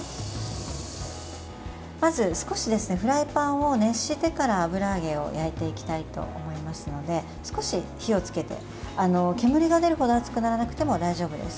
まず少しフライパンを熱してから油揚げを焼いていきたいと思いますので、少し火をつけて煙が出るほど熱くならなくても大丈夫です。